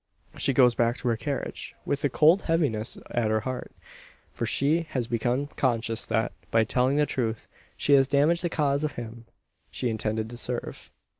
She goes back to her carriage with a cold heaviness at her heart: for she has become conscious that, by telling the truth, she has damaged the cause of him she intended to serve.